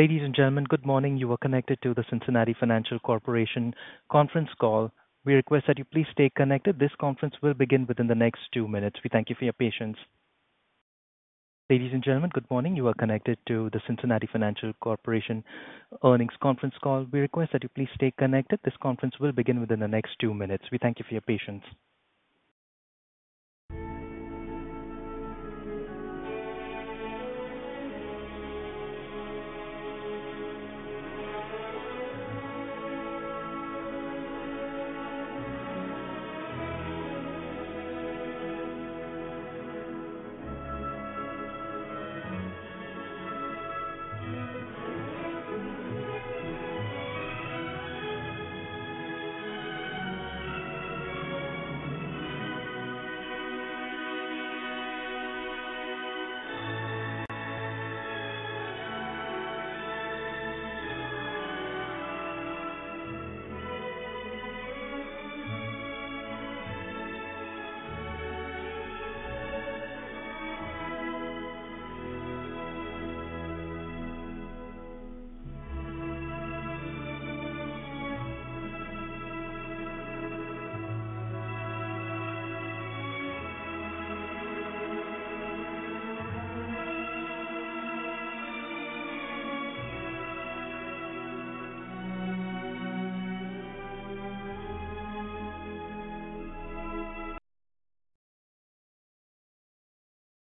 Ladies and gentlemen, good morning. You are connected to the Cincinnati Financial Corporation Conference Call. We request that you please stay connected. This conference will begin within the next two minutes. We thank you for your patience. Ladies and gentlemen, good morning. You are connected to the Cincinnati Financial Corporation Earnings Conference Call. We request that you please stay connected. This conference will begin within the next two minutes. We thank you for your patience.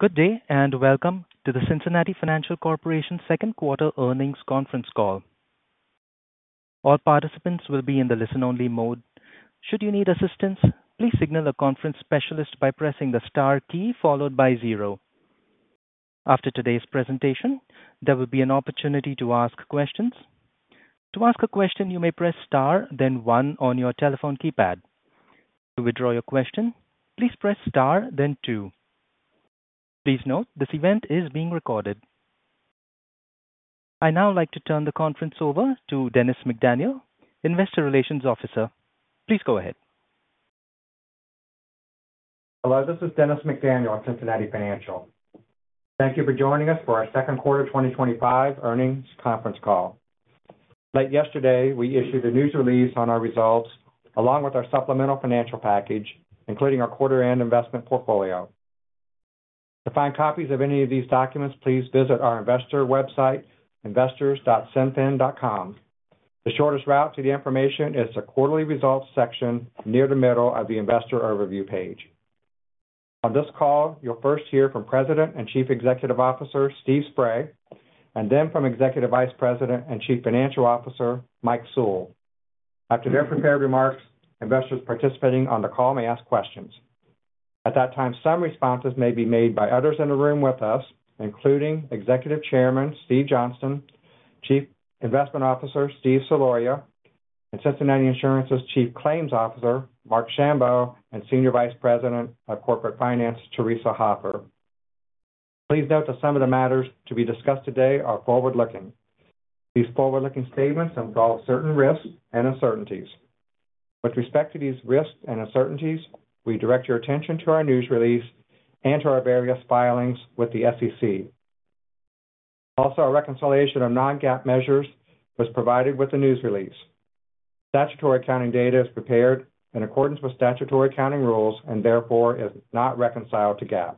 Good day and welcome to the Cincinnati Financial Corporation second quarter earnings conference call. All participants will be in the listen-only mode. Should you need assistance, please signal a conference specialist by pressing the star key followed by zero. After today's presentation, there will be an opportunity to ask questions. To ask a question, you may press star, then one on your telephone keypad. To withdraw your question, please press star, then two. Please note, this event is being recorded. I now like to turn the conference over to Dennis McDaniel, Investor Relations Officer. Please go ahead. Hello, this is Dennis McDaniel at Cincinnati Financial. Thank you for joining us for our second quarter 2025 earnings conference call. Like yesterday, we issued a news release on our results along with our supplemental financial package, including our quarter-end investment portfolio. To find copies of any of these documents, please visit our investor website, investors.cinfin.com. The shortest route to the information is the quarterly results section near the middle of the investor overview page. On this call, you'll first hear from President and Chief Executive Officer, Steve Spray, and then from Executive Vice President and Chief Financial Officer, Michael Sewell. After their prepared remarks, investors participating on the call may ask questions. At that time, some responses may be made by others in the room with us, including Executive Chairman Steven Johnston; Chief Investment Officer, Stephen Soloria, and Cincinnati Insurance's Chief Claims Officer, Marc Schambo and Senior Vice President of Corporate Finance, Theresa Hoffer. Please note that some of the matters to be discussed today are forward-looking. These forward-looking statements involve certain risks and uncertainties. With respect to these risks and uncertainties, we direct your attention to our news release and to our various filings with the SEC. Also, a reconciliation of non-GAAP measures was provided with the news release. Statutory accounting data is prepared in accordance with statutory accounting rules and therefore is not reconciled to GAAP.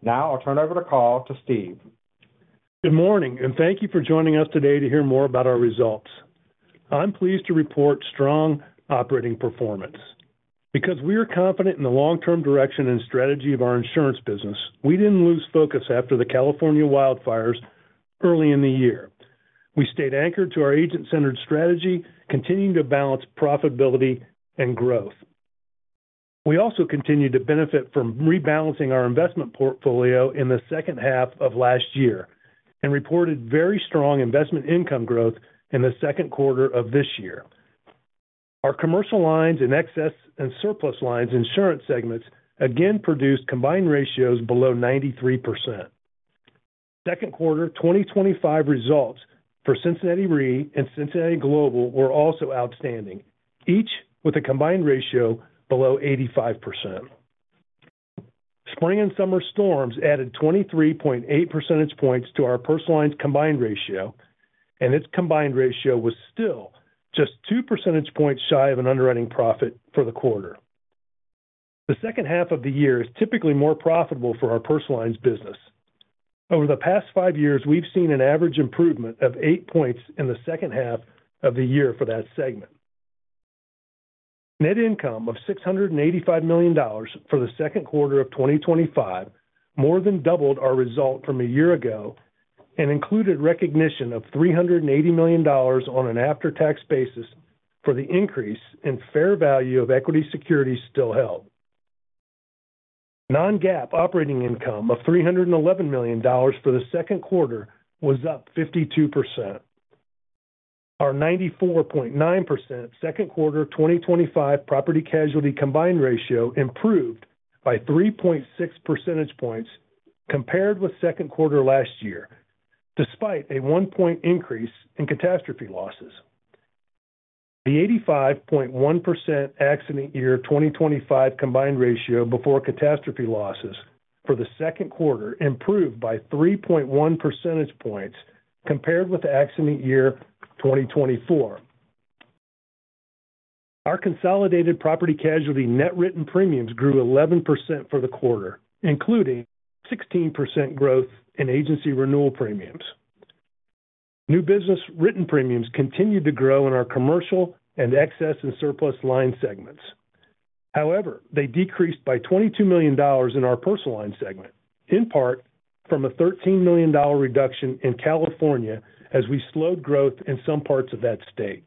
Now I'll turn over the call to Steve. Good morning, and thank you for joining us today to hear more about our results. I'm pleased to report strong operating performance. Because we are confident in the long-term direction and strategy of our insurance business, we didn't lose focus after the California wildfires early in the year. We stayed anchored to our agent-centered strategy, continuing to balance profitability and growth. We also continued to benefit from rebalancing our investment portfolio in the second half of last year and reported very strong investment income growth in the second quarter of this year. Our Commercial Lines and Excess and Surplus Lines insurance segments again produced combined ratios below 93%. Second quarter 2025 results for Cincinnati Re and Cincinnati Global were also outstanding, each with a combined ratio below 85%. Spring and summer storms added 23.8 percentage points to our Personal Lines combined ratio, and its combined ratio was still just two percentage points shy of an underwriting profit for the quarter. The second half of the year is typically more profitable for our Personal Lines business. Over the past five years, we've seen an average improvement of eight points in the second half of the year for that segment. Net income of $685 million for the second quarter of 2025 more than doubled our result from a year ago and included recognition of $380 million on an after-tax basis for the increase in fair value of equity securities still held. Non-GAAP operating income of $311 million for the second quarter was up 52%. Our 94.9% second quarter 2025 Property Casualty combined ratio improved by 3.6 percentage points compared with second quarter last year, despite a one-point increase in catastrophe losses. The 85.1% accident year 2025 combined ratio before catastrophe losses for the second quarter improved by 3.1 percentage points compared with the accident year 2024. Our consolidated Property Casualty net written premiums grew 11% for the quarter, including 16% growth in agency renewal premiums. New business written premiums continued to grow in our commercial and Excess and Surplus Lines segments. However, they decreased by $22 million in our Personal Lines segment, in part from a $13 million reduction in California as we slowed growth in some parts of that state.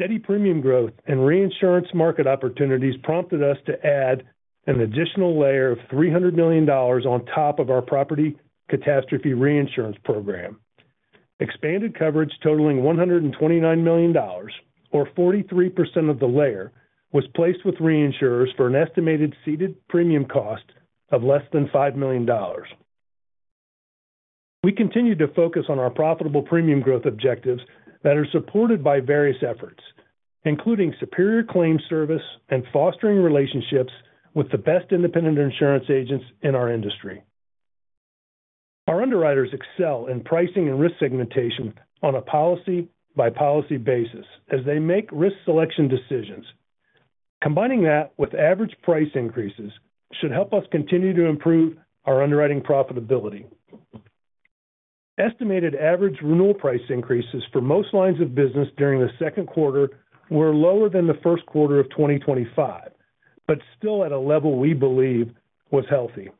Steady premium growth and reinsurance market opportunities prompted us to add an additional layer of $300 million on top of our property catastrophe reinsurance program. Expanded coverage totaling $129 million, or 43% of the layer, was placed with reinsurers for an estimated ceded premium cost of less than $5 million. We continue to focus on our profitable premium growth objectives that are supported by various efforts, including superior claim service and fostering relationships with the best independent insurance agents in our industry. Our underwriters excel in pricing and risk segmentation on a policy-by-policy basis as they make risk selection decisions. Combining that with average price increases should help us continue to improve our underwriting profitability. Estimated average renewal price increases for most lines of business during the second quarter were lower than the first quarter of 2025, but still at a level we believe was healthy.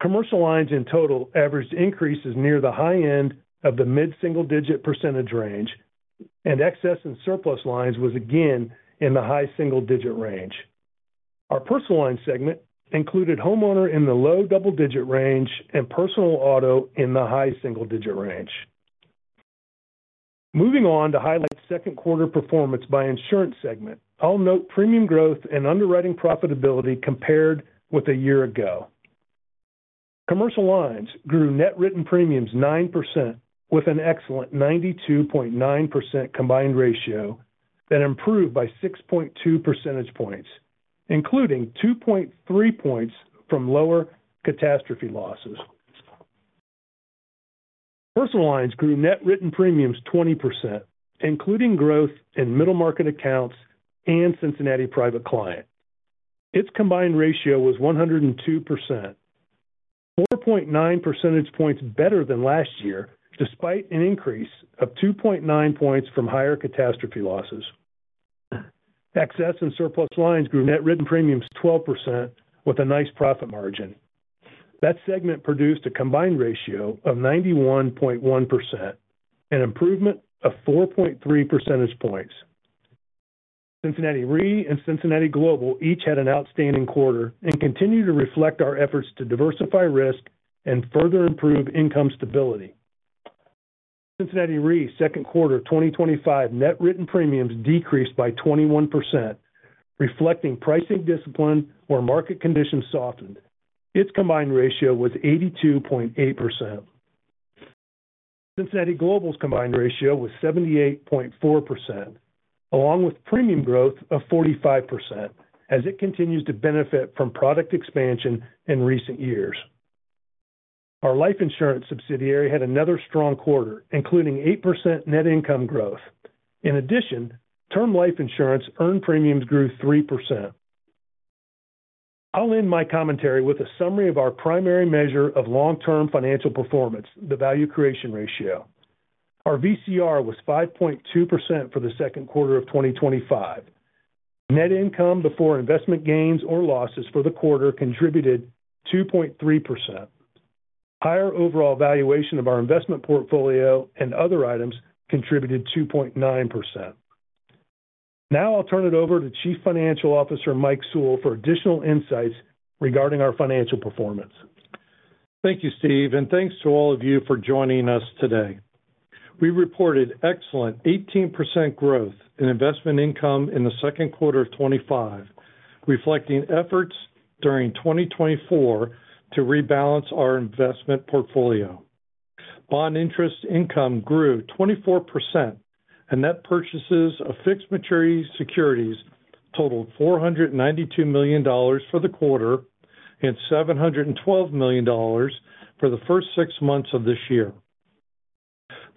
Commercial Lines in total averaged increases near the high end of the mid-single-digit percentage range, and Excess and Surplus Lines was again in the high single-digit range. Our Personal Lines segment included homeowner in the low double-digit range and personal auto in the high single-digit range. Moving on to highlight second quarter performance by insurance segment, I'll note premium growth and underwriting profitability compared with a year ago. Commercial Lines grew net written premiums 9% with an excellent 92.9% combined ratio that improved by 6.2 percentage points, including 2.3 points from lower catastrophe losses. Personal Lines grew net written premiums 20%, including growth in middle market accounts and Cincinnati Private Client. Its combined ratio was 102%, 4.9 percentage points better than last year, despite an increase of 2.9 points from higher catastrophe losses. Excess and Surplus Lines grew net written premiums 12% with a nice profit margin. That segment produced a combined ratio of 91.1%, an improvement of 4.3 percentage points. Cincinnati Re and Cincinnati Global each had an outstanding quarter and continue to reflect our efforts to diversify risk and further improve income stability. Cincinnati Re second quarter 2025 net written premiums decreased by 21%, reflecting pricing discipline where market conditions softened. Its combined ratio was 82.8%. Cincinnati Global's combined ratio was 78.4%, along with premium growth of 45% as it continues to benefit from product expansion in recent years. Our life insurance subsidiary had another strong quarter, including 8% net income growth. In addition, term life insurance earned premiums grew 3%. I'll end my commentary with a summary of our primary measure of long-term financial performance, the Value Creation Ratio. Our VCR was 5.2% for the second quarter of 2025. Net income before investment gains or losses for the quarter contributed 2.3%. Higher overall valuation of our investment portfolio and other items contributed 2.9%. Now I'll turn it over to Chief Financial Officer Michael Sewell for additional insights regarding our financial performance. Thank you, Steve, and thanks to all of you for joining us today. We reported excellent 18% growth in investment income in the second quarter of 2025, reflecting efforts during 2024 to rebalance our investment portfolio. Bond interest income grew 24%, and purchases of fixed maturity securities totaled $492 million for the quarter and $712 million for the first six months of this year.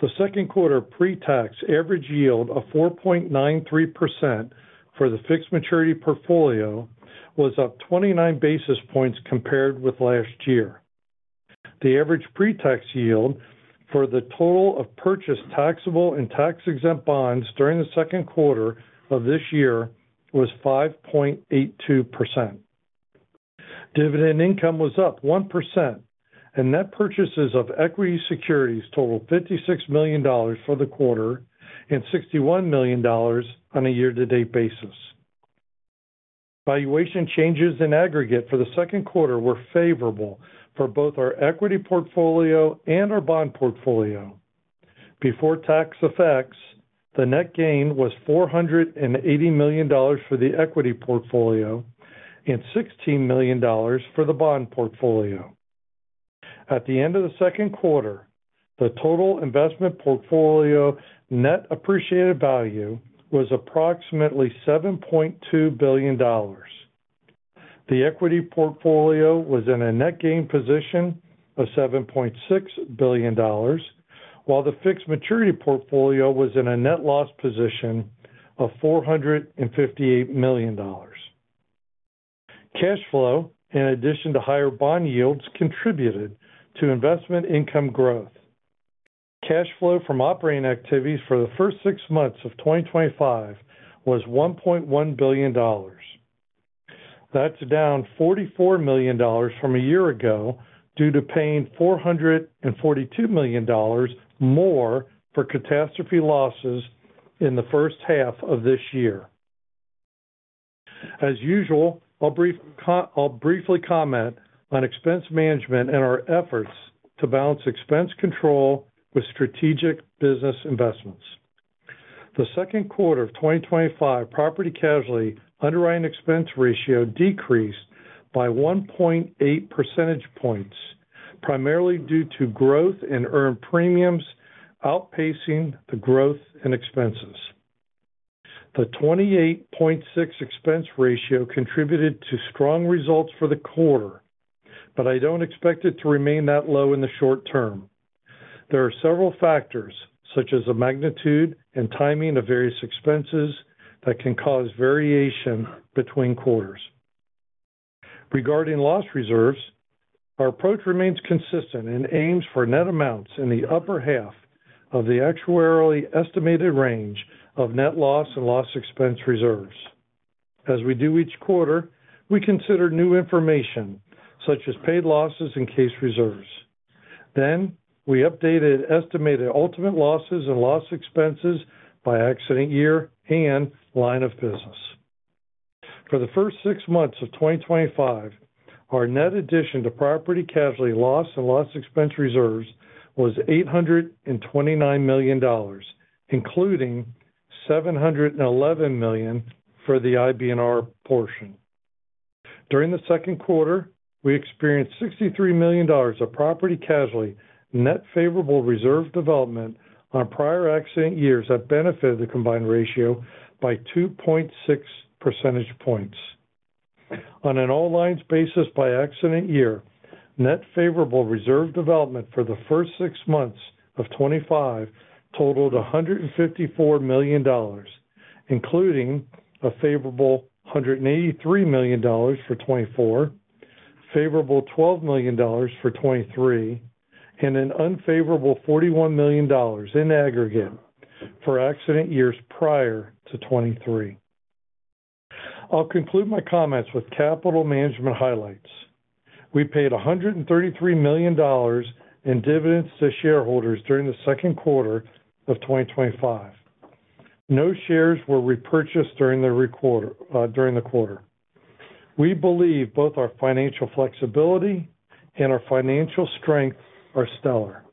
The second quarter pre-tax average yield of 4.93% for the fixed maturity portfolio was up 29 basis points compared with last year. The average pre-tax yield for the total of purchased taxable and tax-exempt bonds during the second quarter of this year was 5.82%. Dividend income was up 1%, and purchases of equity securities totaled $56 million for the quarter and $61 million on a year-to-date basis. Valuation changes in aggregate for the second quarter were favorable for both our equity portfolio and our bond portfolio. Before tax effects, the net gain was $480 million for the equity portfolio and $16 million for the bond portfolio. At the end of the second quarter, the total investment portfolio net appreciated value was approximately $7.2 billion. The equity portfolio was in a net gain position of $7.6 billion, while the fixed maturity portfolio was in a net loss position of $458 million. Cash flow, in addition to higher bond yields, contributed to investment income growth. Cash flow from operating activities for the first six months of 2025 was $1.1 billion. That's down $44 million from a year ago due to paying $442 million more for catastrophe losses in the first half of this year. As usual, I'll briefly comment on expense management and our efforts to balance expense control with strategic business investments. The second quarter of 2025 Property Casualty underwriting expense ratio decreased by 1.8 percentage points, primarily due to growth in earned premiums outpacing the growth in expenses. The 28.6% expense ratio contributed to strong results for the quarter, but I don't expect it to remain that low in the short term. There are several factors, such as the magnitude and timing of various expenses, that can cause variation between quarters. Regarding loss reserves, our approach remains consistent and aims for net amounts in the upper half of the actuarially estimated range of net loss and loss expense reserves. As we do each quarter, we consider new information, such as paid losses and case reserves. We updated estimated ultimate losses and loss expenses by accident year and line of business. For the first six months of 2025, our net addition to Property Casualty loss and loss expense reserves was $829 million, including $711 million for the IBNR portion. During the second quarter, we experienced $63 million of Property Casualty net favorable reserve development on prior accident years that benefited the combined ratio by 2.6 percentage points. On an all lines basis by accident year, net favorable reserve development for the first six months of 2025 totaled $154 million, including a favorable $183 million for 2024, favorable $12 million for 2023, and an unfavorable $41 million in aggregate for accident years prior to 2023. I'll conclude my comments with capital management highlights. We paid $133 million in dividends to shareholders during the second quarter of 2025. No shares were repurchased during the quarter. We believe both our financial flexibility and our financial strength are stellar.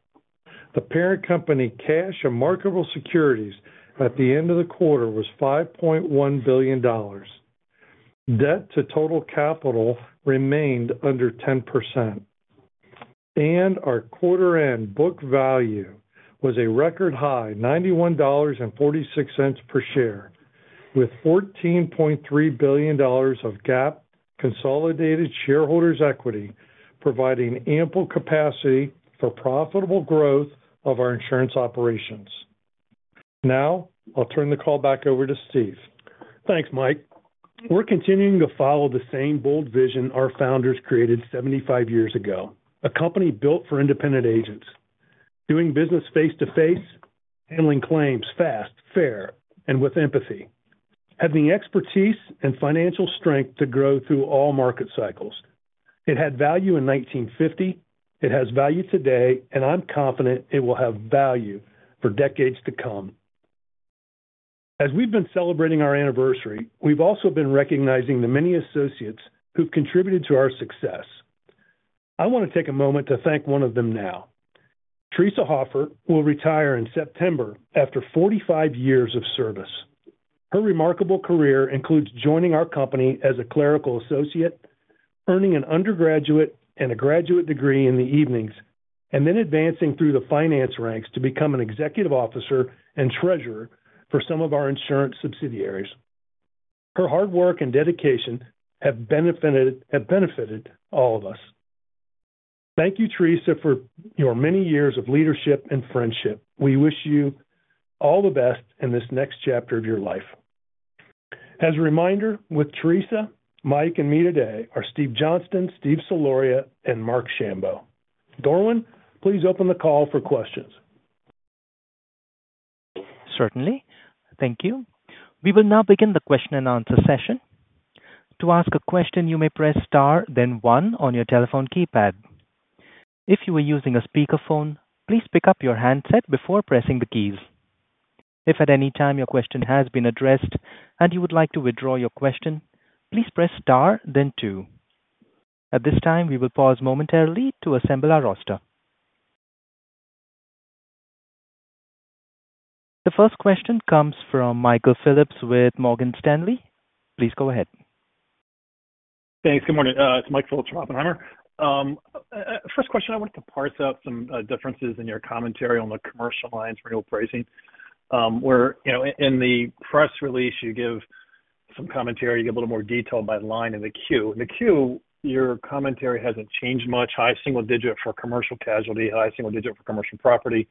The parent company cash and marketable securities at the end of the quarter was $5.1 billion. Debt to total capital remained under 10%. Our quarter-end book value was a record high, $91.46 per share, with $14.3 billion of GAAP consolidated shareholders' equity providing ample capacity for profitable growth of our insurance operations. Now I'll turn the call back over to Steve. Thanks, Michael. We're continuing to follow the same bold vision our founders created 75 years ago. A company built for independent agents. Doing business face-to-face, handling claims fast, fair, and with empathy. Having the expertise and financial strength to grow through all market cycles. It had value in 1950. It has value today, and I'm confident it will have value for decades to come. As we've been celebrating our anniversary, we've also been recognizing the many associates who've contributed to our success. I want to take a moment to thank one of them now. Theresa Hoffer will retire in September after 45 years of service. Her remarkable career includes joining our company as a clerical associate. Earning an undergraduate, and a graduate degree in the evenings, and then advancing through the finance ranks to become an executive officer, and treasurer for some of our insurance subsidiaries. Her hard work and dedication have benefited all of us. Thank you, Theresa, for your many years of leadership and friendship. We wish you all the best in this next chapter of your life. As a reminder, with Theresa, Michael, and me today are Steven Johnston, Stephen Soloria, and Marc Schambo. Darwin, please open the call for questions. Certainly. Thank you. We will now begin the question and answer session. To ask a question, you may press Star, then 1 on your telephone keypad. If you are using a speakerphone, please pick up your handset before pressing the keys. If at any time your question has been addressed and you would like to withdraw your question, please press Star, then 2. At this time, we will pause momentarily to assemble our roster. The first question comes from Michael Phillips with Oppenheimer. Please go ahead. Thanks. Good morning. It's Michael Phillips with Oppenheimer. First question, I wanted to parse out some differences in your commentary on the Commercial Lines renewal pricing. Where in the press release, you give some commentary, you give a little more detail by line in the queue. In the queue, your commentary hasn't changed much. High single digit for commercial casualty, high single digit for commercial property,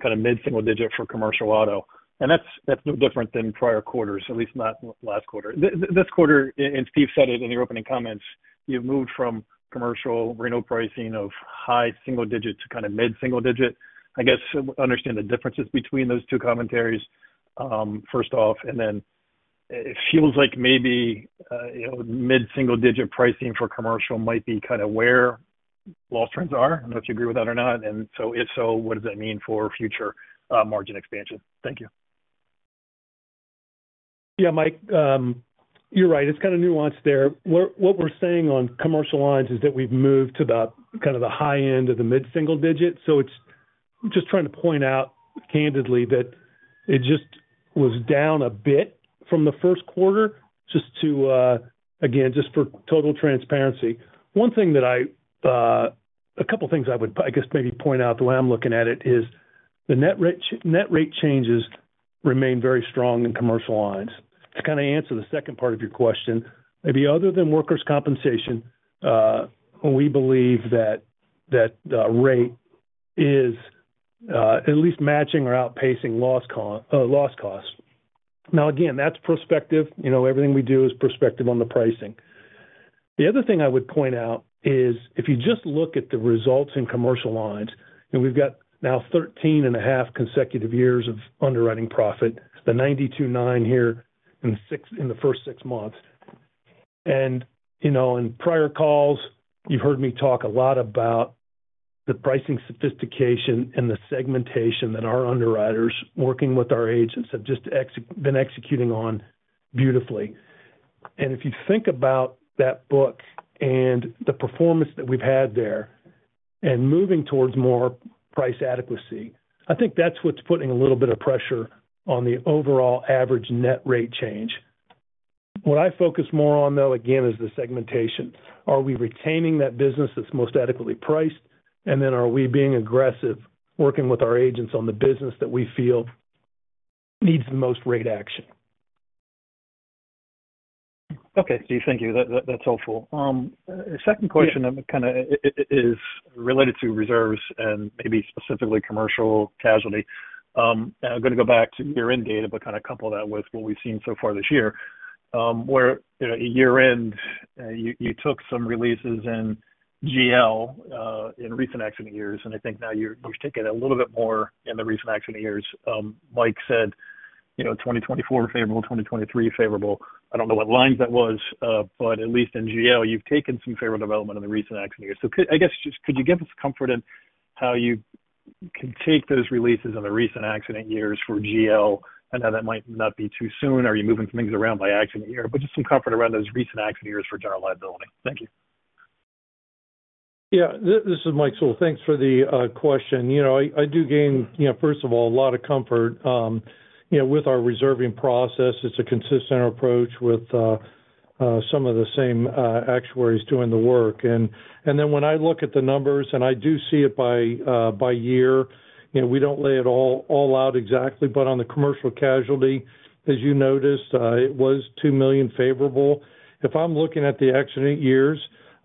kind of mid-single digit for commercial auto. And that's no different than prior quarters, at least not last quarter. This quarter, and Steve said it in the opening comments, you've moved from commercial renewal pricing of high single digit to kind of mid-single digit. I guess understand the differences between those two commentaries. First off, and then. It feels like maybe. Mid-single digit pricing for commercial might be kind of where loss trends are. I don't know if you agree with that or not. And so if so, what does that mean for future margin expansion? Thank you. Yeah, Michael, you're right. It's kind of nuanced there. What we're saying on Commercial Lines is that we've moved to the kind of the high end of the mid-single digit. It's just trying to point out candidly that it just was down a bit from the first quarter, just to, again, just for total transparency. One thing that I, a couple of things I would, I guess, maybe point out the way I'm looking at it is the net rate changes remain very strong in Commercial Lines. To kind of answer the second part of your question, maybe other than workers' compensation. We believe that that rate is at least matching or outpacing loss costs. Now, again, that's prospective. Everything we do is prospective on the pricing. The other thing I would point out is if you just look at the results in Commercial Lines, and we've got now 13 and a half consecutive years of underwriting profit, the 92.9 here in the first six months. In prior calls, you've heard me talk a lot about the pricing sophistication and the segmentation that our underwriters, working with our agents, have just been executing on beautifully. If you think about that book and the performance that we've had there and moving towards more price adequacy. I think that's what's putting a little bit of pressure on the overall average net rate change. What I focus more on, though, again, is the segmentation. Are we retaining that business that's most adequately priced. Then are we being aggressive, working with our agents on the business that we feel needs the most rate action. Okay, Steve, thank you. That's helpful. The second question kind of is related to reserves and maybe specifically commercial casualty. I'm going to go back to year-end data, but kind of couple that with what we've seen so far this year. Where year-end, you took some releases in GL in recent accident years, and I think now you've taken a little bit more in the recent accident years. Michael said 2024 favorable, 2023 favorable. I don't know what lines that was, but at least in GL, you've taken some favorable development in the recent accident years. So I guess just could you give us comfort in how you can take those releases in the recent accident years for GL and how that might not be too soon. Are you moving some things around by accident year? Just some comfort around those recent accident years for general liability. Thank you. Yeah, this is Michael Sewell. Thanks for the question. I do gain, first of all, a lot of comfort with our reserving process. It's a consistent approach with some of the same actuaries doing the work. And then when I look at the numbers, and I do see it by year, we do not lay it all out exactly, but on the commercial casualty, as you noticed, it was $2 million favorable. If I am looking at the accident years,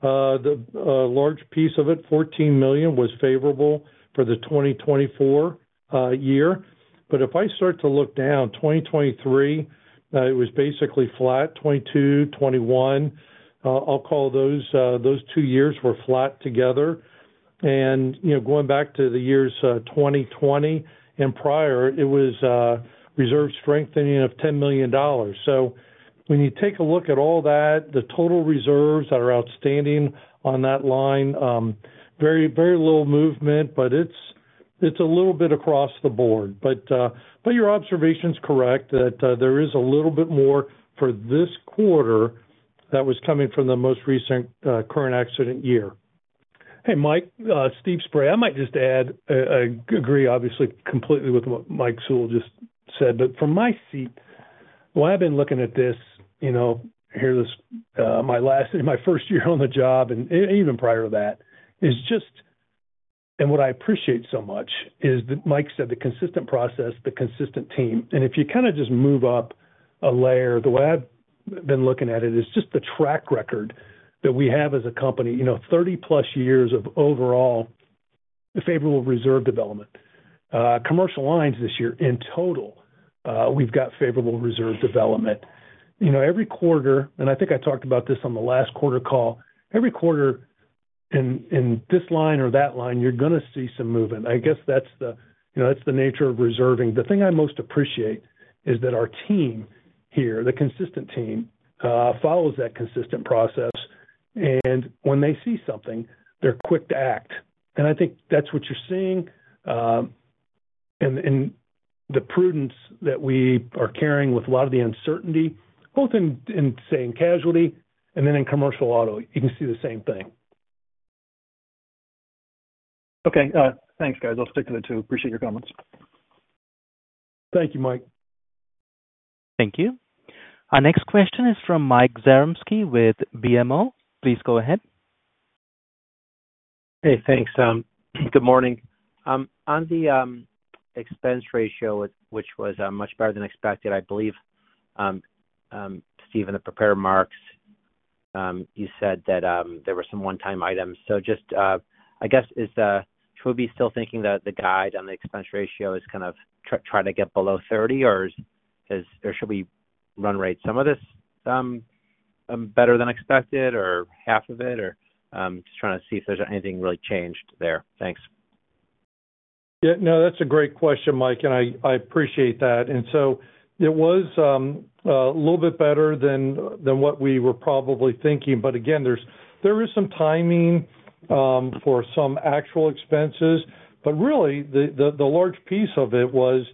a large piece of it, $14 million, was favorable for the 2024 year. If I start to look down, 2023 was basically flat, 2022, 2021. I will call those two years were flat together. Going back to the years 2020 and prior, it was reserve strengthening of $10 million. When you take a look at all that, the total reserves that are outstanding on that line, very little movement, but it is a little bit across the board. Your observation is correct that there is a little bit more for this quarter that was coming from the most recent current accident year. Hey, Michael, Steve Spray, I might just add. Agree, obviously, completely with what Michael Sewell just said. From my seat, the way I have been looking at this, here this, my first year on the job, and even prior to that, is just, and what I appreciate so much is that Michael said the consistent process, the consistent team. If you kind of just move up a layer, the way I have been looking at it is just the track record that we have as a company, 30-plus years of overall favorable reserve development. Commercial Lines this year, in total, we have got favorable reserve development. Every quarter, and I think I talked about this on the last quarter call, every quarter in this line or that line, you are going to see some movement. I guess that is the nature of reserving. The thing I most appreciate is that our team here, the consistent team, follows that consistent process. When they see something, they are quick to act. I think that is what you are seeing. The prudence that we are carrying with a lot of the uncertainty, both in, say, casualty and then in commercial auto, you can see the same thing. Okay. Thanks, guys. I'll stick to the two. Appreciate your comments. Thank you, Michael. Thank you. Our next question is from Michael Zaremski with BMO. Please go ahead. Hey, thanks. Good morning. On the expense ratio, which was much better than expected, I believe. Steve, the prepared remarks. You said that there were some one-time items. So just, I guess, should we be still thinking that the guide on the expense ratio is kind of trying to get below 30, or should we run rate some of this better than expected, or half of it, or just trying to see if there's anything really changed there? Thanks. Yeah, no, that's a great question, Michael, and I appreciate that. It was a little bit better than what we were probably thinking. There was some timing for some actual expenses. Really, the large piece of it was,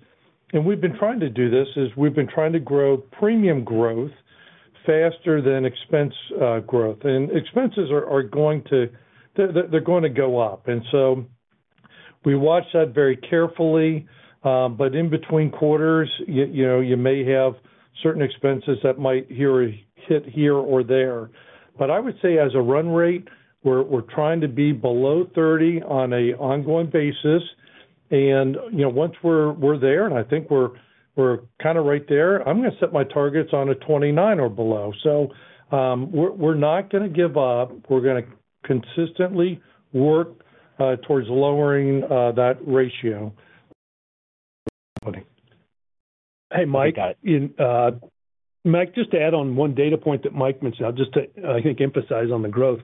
and we've been trying to do this, we've been trying to grow premium growth faster than expense growth. Expenses are going to go up. We watch that very carefully. In between quarters, you may have certain expenses that might hit here or there. I would say as a run rate, we're trying to be below 30% on an ongoing basis. Once we're there, and I think we're kind of right there, I'm going to set my targets on a 29% or below. We're not going to give up. We're going to consistently work towards lowering that ratio. Hey, Michael. Hey, guys. Michael, just to add on one data point that Michael mentioned, I'll just, I think, emphasize on the growth.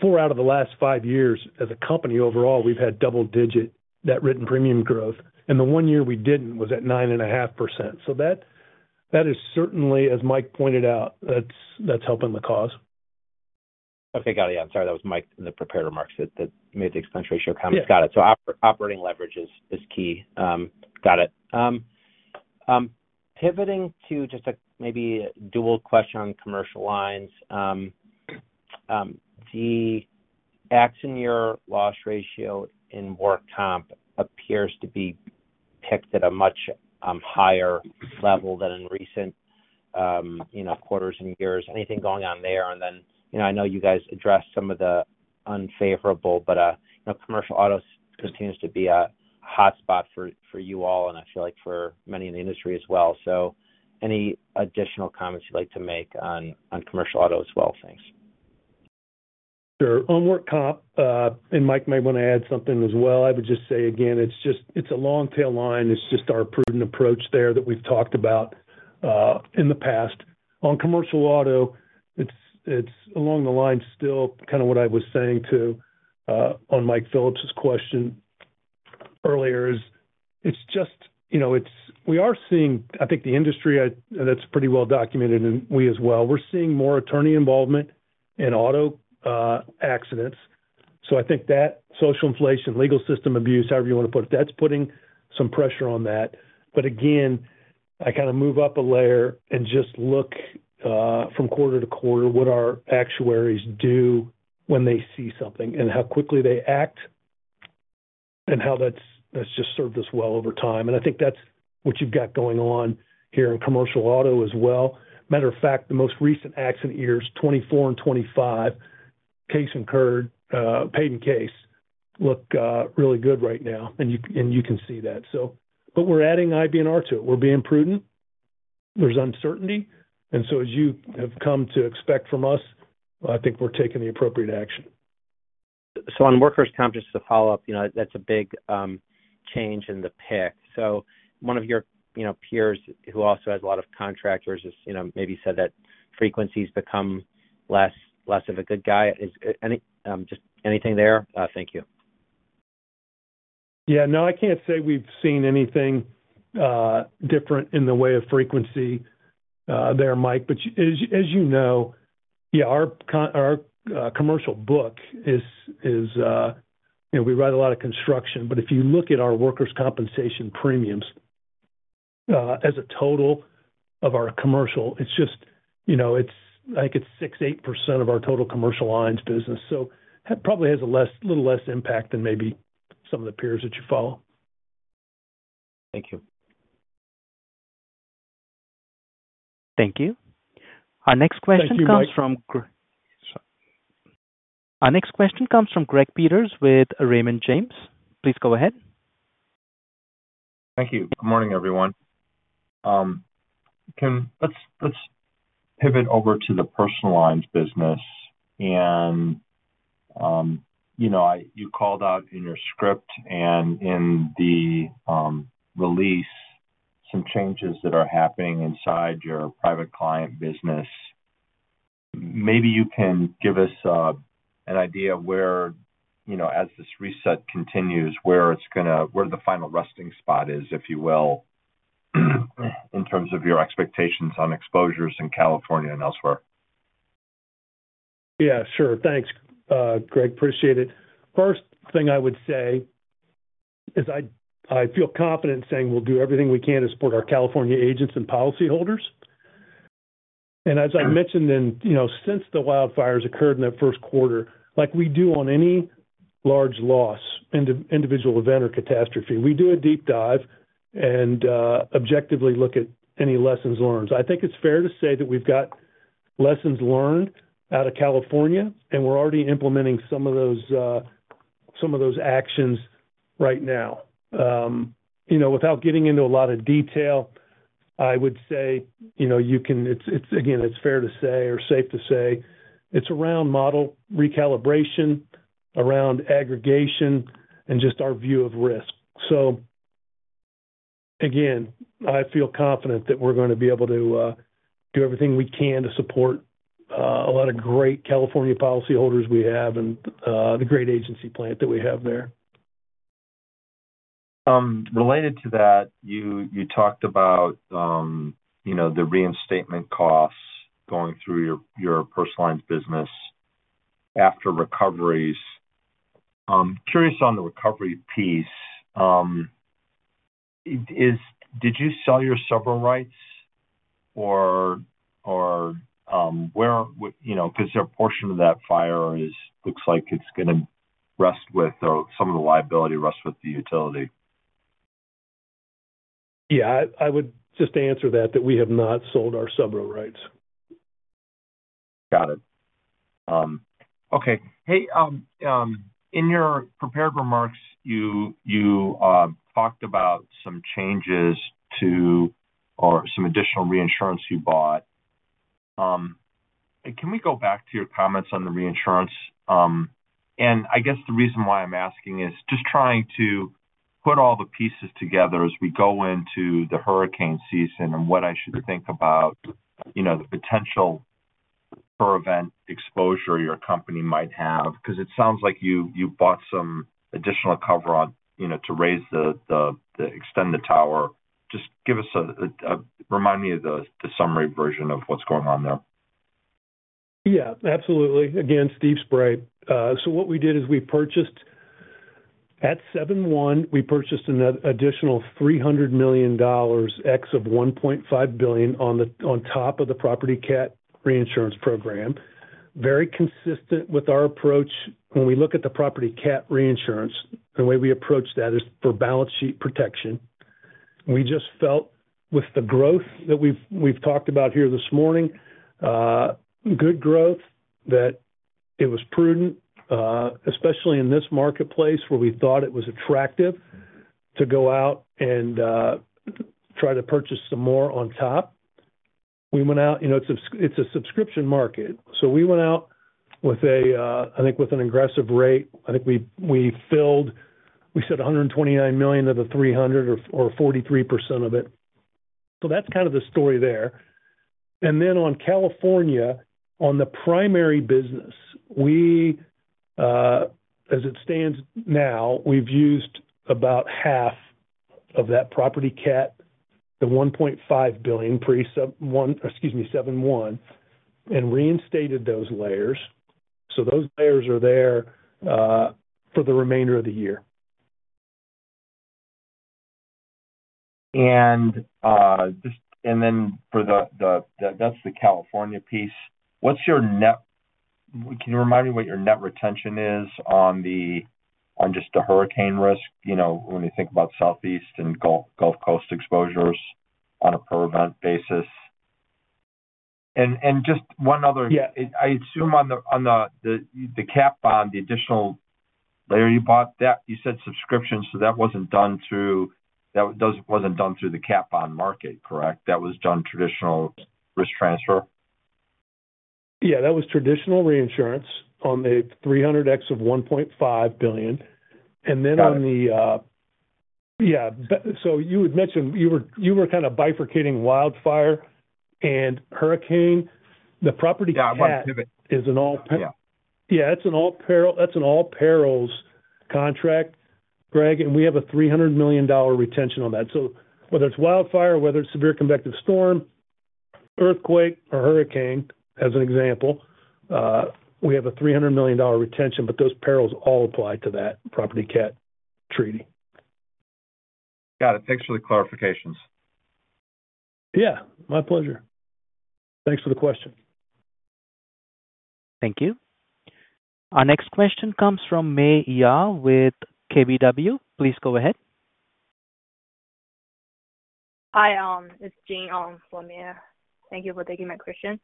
Four out of the last five years as a company overall, we've had double-digit net written premium growth. And the one year we didn't was at 9.5%. That is certainly, as Michael pointed out, that's helping the cause. Okay, got it. Yeah, I'm sorry. That was Michael in the preparer marks that made the expense ratio comment. Got it. Operating leverage is key. Got it. Pivoting to just maybe a dual question on Commercial Lines. The accident year loss ratio in work comp appears to be picked at a much higher level than in recent quarters and years. Anything going on there? I know you guys addressed some of the unfavorable, but commercial auto continues to be a hotspot for you all, and I feel like for many in the industry as well. Any additional comments you'd like to make on commercial auto as well? Thanks. Sure. On work comp, and Michael might want to add something as well, I would just say, again, it's a long-tail line. It's just our prudent approach there that we've talked about in the past. On commercial auto, it's along the lines still kind of what I was saying to, on Michael Phillips' question earlie. Is it's just, we are seeing, I think, the industry, and that's pretty well documented, and we as well, we're seeing more attorney involvement in auto accidents. I think that social inflation, legal system abuse, however you want to put it, that's putting some pressure on that. I kind of move up a layer and just look from quarter to quarter what our actuaries do when they see something and how quickly they act, and how that's just served us well over time. I think that's what you've got going on here in commercial auto as well. Matter of fac, the most recent accident years, 2024 and 2025, case incurred, paid and case look really good right now, and you can see that. We're adding IBNR to it. We're being prudent. There's uncertainty. As you have come to expect from us, I think we're taking the appropriate action. On workers' comp, just to follow up, that's a big change in the pick. One of your peers who also has a lot of contractors maybe said that frequency has become less of a good guy, just anything there? Thank you. Yeah, no, I can't say we've seen anything different in the way of frequency there, Michael. But as you know, yeah, our commercial book is, we write a lot of construction, but if you look at our workers' compensation premiums as a total of our commercial, it's just, I think it's 6%-8% of our total Commercial Lines business. So it probably has a little less impact than maybe some of the peers that you follow. Thank you. Thank you. Our next question comes from. Thank you, Michael. Our next question comes from Greg Peters with Raymond James. Please go ahead. Thank you. Good morning, everyone. Let's pivot over to the Personal Lines business. You called out in your script and in the release some changes that are happening inside your private client business. Maybe you can give us an idea where, as this reset continues, where it's going to, where the final resting spot is, if you will, in terms of your expectations on exposures in California and elsewhere. Yeah, sure. Thanks, Gregory. Appreciate it. First thing I would say is I feel confident in saying we'll do everything we can to support our California agents and policyholders. As I mentioned, since the wildfires occurred in that first quarter, like we do on any large loss, individual event, or catastrophe, we do a deep dive and objectively look at any lessons learned. I think it's fair to say that we've got lessons learned out of California, and we're already implementing some of those actions right now. Without getting into a lot of detail, I would say again, it's fair to say or safe to say it's around model recalibration, around aggregation, and just our view of risk. Again, I feel confident that we're going to be able to do everything we can to support a lot of great California policyholders we have and the great agency plant that we have there. Related to that, you talked about the reinstatement costs going through your Personal Lines business after recoveries. Curious on the recovery piece. Did you sell your subrogation rights? Or where, because a portion of that fire looks like it's going to rest with some of the liability rests with the utility? Yeah, I would just answer that, that we have not sold our subrogation rights. Got it. Okay. Hey. In your prepared remarks, you talked about some changes to or some additional reinsurance you bought. Can we go back to your comments on the reinsurance? I guess the reason why I'm asking is just trying to put all the pieces together as we go into the hurricane season, and what I should think about the potential for event exposure your company might have. Because it sounds like you bought some additional cover on to raise the, extend the tower. Just give us a, remind me of the summary version of what's going on there. Yeah, absolutely. Again, Steve Spray. What we did is we purchased. At 7/1, we purchased an additional $300 million. Excess of $1.5 billion on top of the property cat reinsurance program. Very consistent with our approach. When we look at the property cat reinsurance, the way we approach that is for balance sheet protection. We just felt, with the growth that we have talked about here this morning. Good growth, that it was prudent, especially in this marketplace where we thought it was attractive to go out and. Try to purchase some more on top. We went out. It is a subscription market. We went out with, I think, with an aggressive rate. I think we filled. We said $129 million of the $300 million or 43% of it. That is kind of the story there. On California, on the primary business. As it stands now, we have used about half of that property cat, the $1.5 billion pre-excuse me, 7/1 and reinstated those layers. Those layers are there for the remainder of the year. For the California piece, what's your net? Can you remind me what your net retention is on just the hurricane risk when you think about Southeast and Gulf Coast exposures on a per event basis? And just one other, I assume on the cat bond, the additional layer you bought, you said subscription, so that wasn't done through, that wasn't done through the cat bond market, correct? That was done traditional risk transfer? Yeah, that was traditional reinsurance on the 300 excess of $1.5 billion. And then on the. Yeah. So you had mentioned you were kind of bifurcating wildfire and hurricane. The property cat. Yeah, I want to pivot. Is an all. Yeah. Yeah, it's an all-perils contract, Greg, and we have a $300 million retention on that. Whether it's wildfire, whether it's severe convective storm, earthquake, or hurricane as an example, we have a $300 million retention, but those perils all apply to that property cat treat. Got it. Thanks for the clarifications. Yeah, my pleasure. Thanks for the question. Thank you. Our next question comes from Meyer Shields with KBW. Please go ahead. Hi, it's Jane for Meyer. Thank you for taking my question.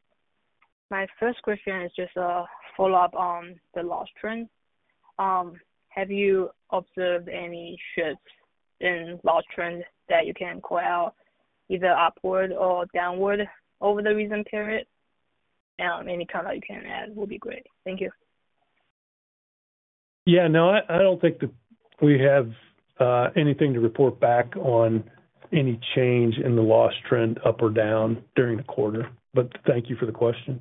My first question is just a follow-up on the loss trend. Have you observed any shifts in loss trend that you can call out either upward or downward over the recent period? Any comment you can add will be great. Thank you. Yeah, no, I don't think we have anything to report back on any change in the loss trend up or down during the quarter. Thank you for the question.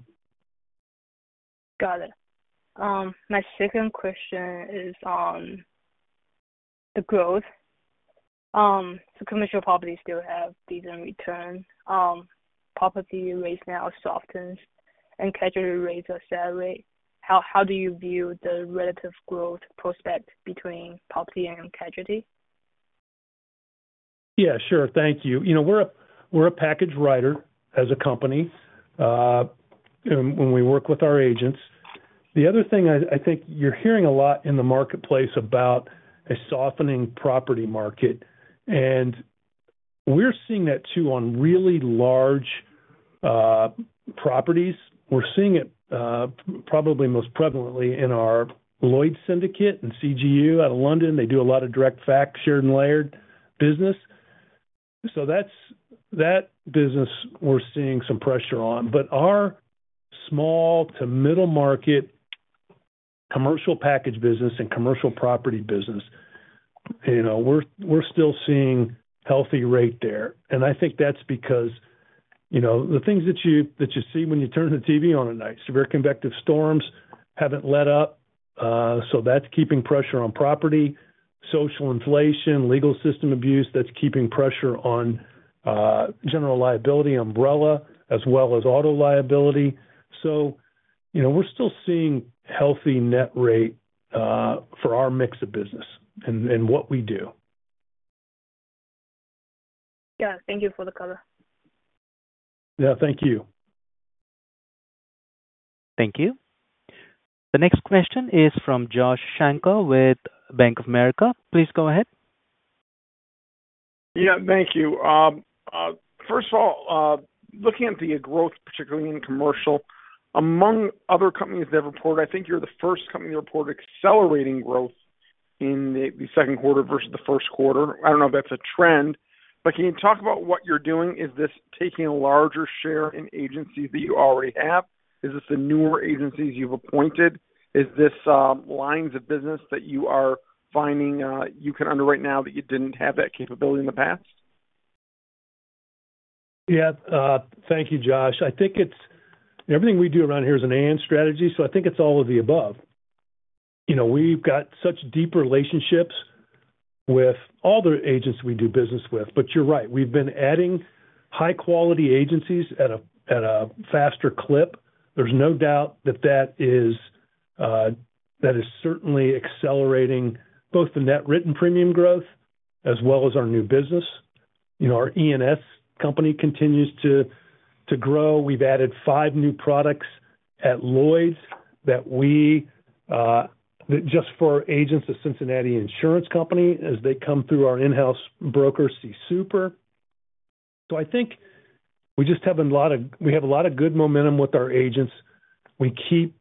Got it. My second question is on the growth. So commercial property still have decent return. Property rates now softens and casualty rates are selling. How do you view the relative growth prospect between property and casualty? Yeah, sure. Thank you. We're a package writer as a company. When we work with our agents, the other thing I think you're hearing a lot in the marketplace about is a softening property market. We're seeing that too on really large properties. We're seeing it probably most prevalently in our Lloyd’s syndicate and CGU out of London. They do a lot of direct, fac, shared and layered business. That business we're seeing some pressure on. Our small to middle market commercial package business and commercial property business, we're still seeing healthy rate there. I think that's because the things that you see when you turn the TV on at night, severe convective storms haven't let up. That's keeping pressure on property. Social inflation, legal system abuse, that's keeping pressure on general liability umbrella as well as auto liability. We're still seeing healthy net rate for our mix of business and what we do. Yeah, thank you for the comment. Yeah, thank you. Thank you. The next question is from Josh Shanker with Bank of America. Please go ahead. Yeah, thank you. First of all, looking at the growth, particularly in commercial, among other companies that report, I think you're the first company to report accelerating growth in the second quarter versus the first quarter. I don't know if that's a trend, but can you talk about what you're doing? Is this taking a larger share in agencies that you already have? Is this the newer agencies you've appointed? Is this lines of business that you are finding you can underwrite now that you didn't have that capability in the past? Yeah, thank you, Josh. I think everything we do around here is an and strategy. I think it's all of the above. We've got such deep relationships with all the agents we do business with. You're right. We've been adding high-quality agencies at a faster clip. There's no doubt that that is certainly accelerating both the net written premium growth as well as our new business. Our E&S company continues to grow. We've added five new products at Lloyd’s that we just for agents of Cincinnati Insurance Company as they come through our in-house broker, CSU Producer Resources. I think we just have a lot of good momentum with our agents. We keep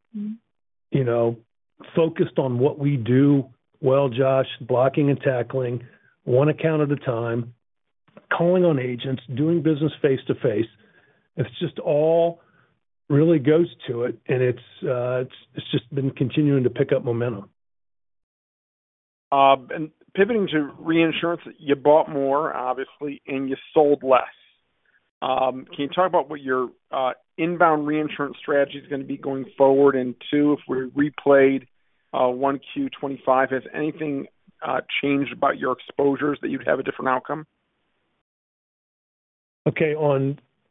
focused on what we do well, Josh, blocking and tackling one account at a time, calling on agents, doing business face-to-face. It just all really goes to it, and it's just been continuing to pick up momentum. Pivoting to reinsurance, you bought more, obviously, and you sold less. Can you talk about what your inbound reinsurance strategy is going to be going forward into if we replayed 1Q25? Has anything changed about your exposures that you'd have a different outcome? Okay.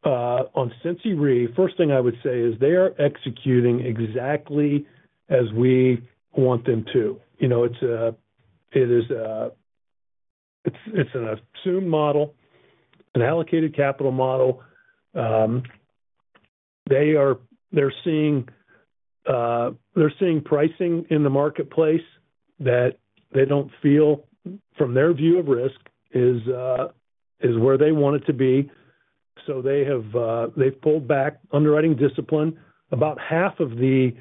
On Cincy, first thing I would say is they are executing exactly as we want them to. It is an assumed model, an allocated capital model. They're seeing pricing in the marketplace that they don't feel, from their view of risk, is where they want it to be. So they've pulled back, underwriting discipline. About half of the,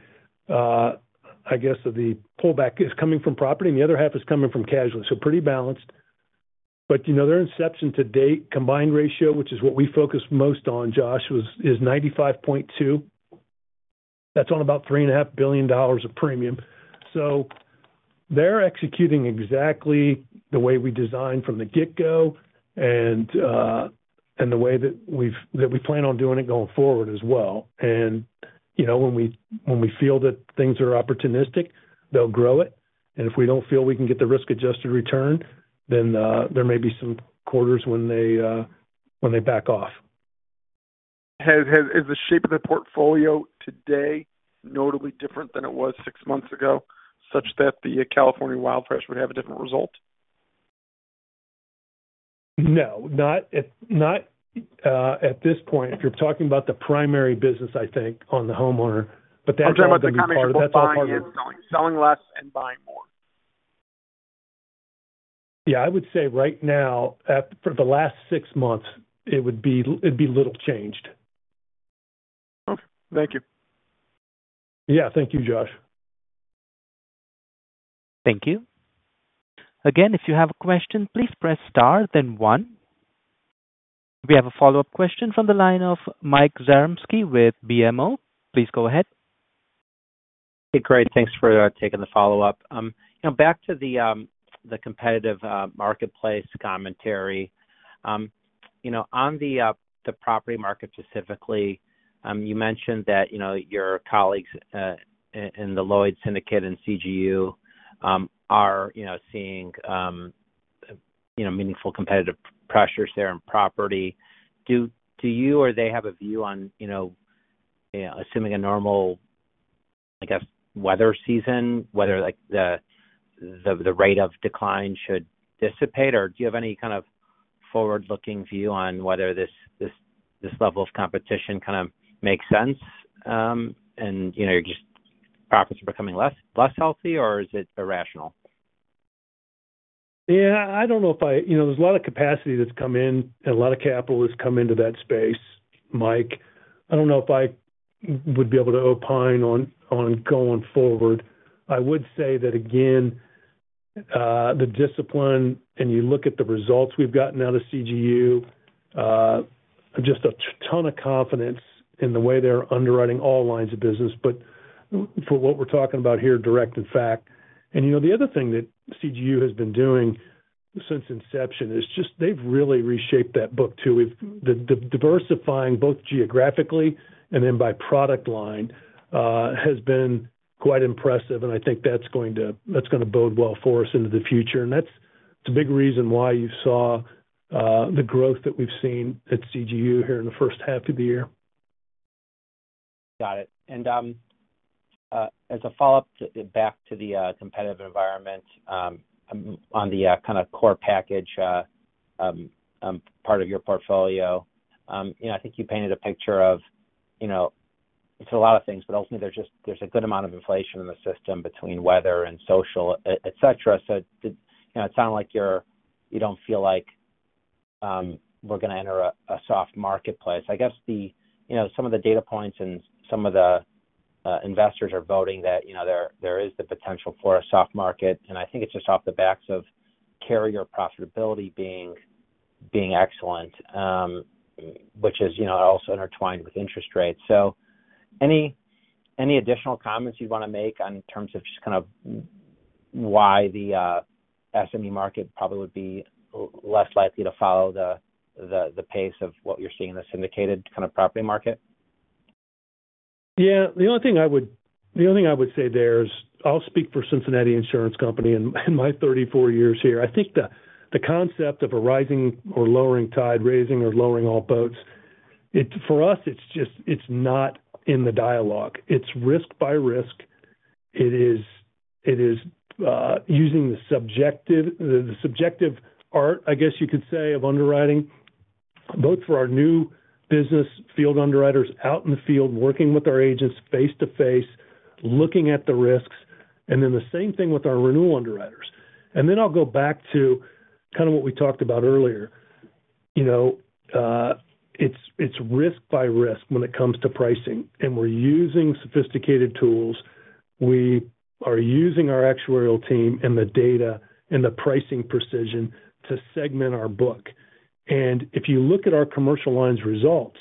I guess, of the pullback is coming from property, and the other half is coming from casualty. Pretty balanced. Their inception-to-date combined ratio, which is what we focus most on, Josh, is 95.2%. That's on about $3.5 billion of premium. They're executing exactly the way we designed from the get-go and the way that we plan on doing it going forward as well. When we feel that things are opportunistic, they'll grow it. If we don't feel we can get the risk-adjusted return, then there may be some quarters when they back off. Is the shape of the portfolio today notably different than it was six months ago, such that the California wildfires would have a different result? No, not. At this point. If you're talking about the primary business, I think, on the homeowner, but that's all part of the. I'm talking about the combined ratio. Selling less and buying more. Yeah, I would say right now, for the last six months, it would be little changed. Okay. Thank you. Yeah, thank you, Josh. Thank you. Again, if you have a question, please press star, then one. We have a follow-up question from the line of Michael Zaremski with BMO. Please go ahead. Hey, great. Thanks for taking the follow-up. Back to the competitive marketplace commentary. On the property market specifically, you mentioned that your colleagues in the Lloyd’s Syndicate and CGU are seeing meaningful competitive pressures there in property. Do you or they have a view on, assuming a normal, I guess, weather season, whether the rate of decline should dissipate? Or do you have any kind of forward-looking view on whether this level of competition kind of makes sense and your profits are becoming less healthy, or is it irrational? Yeah, I don't know if I—there's a lot of capacity that's come in, and a lot of capital has come into that space, Michael. I don't know if I would be able to opine on going forward. I would say that, again. The discipline, and you look at the results we've gotten out of CGU. Just a ton of confidence in the way they're underwriting all lines of business, but for what we're talking about here, direct and fac. The other thing that CGU has been doing since inception is just they've really reshaped that book too. Diversifying both geographically and then by product line. Has been quite impressive, and I think that's going to bode well for us into the future. That's a big reason why you saw the growth that we've seen at CGU here in the first half of the year. Got it. As a follow-up back to the competitive environment, on the kind of core package part of your portfolio, I think you painted a picture of, it's a lot of things, but ultimately, there's a good amount of inflation in the system between weather and social, etc. It sounded like you don't feel like we're going to enter a soft marketplace. I guess some of the data points and some of the investors are voting that there is the potential for a soft market, and I think it's just off the backs of carrier profitability being excellent, which is also intertwined with interest rates. Any additional comments you'd want to make in terms of just kind of why the SME market probably would be less likely to follow the pace of what you're seeing in the syndicated kind of property market? Yeah. The only thing I would—the only thing I would say there is I'll speak for Cincinnati Insurance Company in my 34 years here. I think the concept of a rising or lowering tide, raising or lowering all boats, for us, it's just not in the dialogue. It's risk by risk. It is using the subjective part, I guess you could say, of underwriting. Both for our new business field underwriters out in the field working with our agents face-to-face, looking at the risks, and then the same thing with our renewal underwriters. I'll go back to kind of what we talked about earlier. It's risk by risk when it comes to pricing. We're using sophisticated tools. We are using our actuarial team and the data and the pricing precision to segment our book. If you look at our Commercial Lines results,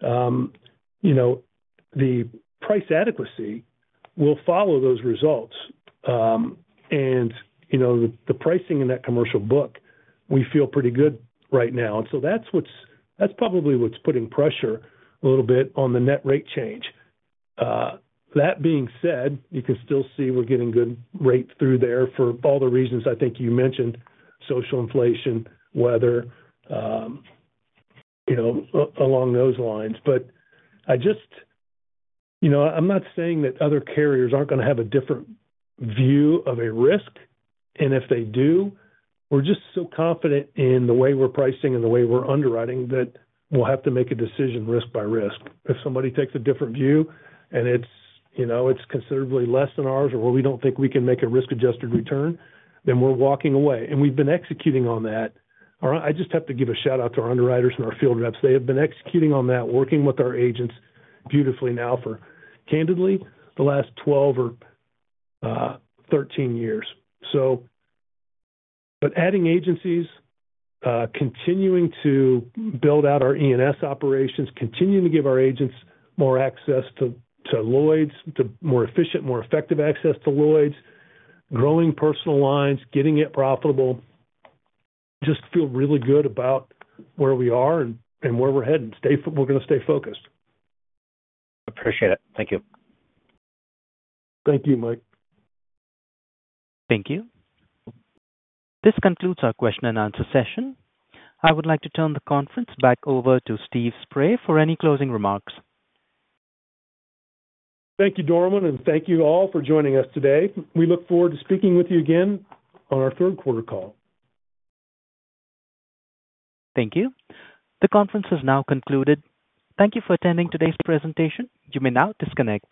the price adequacy will follow those results. The pricing in that commercial book, we feel pretty good right now. That's probably what's putting pressure a little bit on the net rate change. That being said, you can still see we're getting good rate through there for all the reasons I think you mentioned: social inflation, weather. Along those lines. I'm not saying that other carriers aren't going to have a different view of a risk. If they do, we're just so confident in the way we're pricing and the way we're underwriting that we'll have to make a decision risk by risk. If somebody takes a different view and it's considerably less than ours or we don't think we can make a risk-adjusted return, then we're walking away. We've been executing on that. I just have to give a shout-out to our underwriters and our field reps. They have been executing on that, working with our agents beautifully now for, candidly, the last 12 or 13 years. Adding agencies. Continuing to build out our E&S operations, continuing to give our agents more access to Lloyd's, more efficient, more effective access to Lloyd's, growing Personal Lines, getting it profitable. Just feel really good about where we are and where we're headed. We're going to stay focused. Appreciate it. Thank you. Thank you, Michael. Thank you. This concludes our question-and-answer session. I would like to turn the conference back over to Steve Spray for any closing remarks. Thank you, Darwin, and thank you all for joining us today. We look forward to speaking with you again on our third quarter call. Thank you. The conference has now concluded. Thank you for attending today's presentation. You may now disconnect.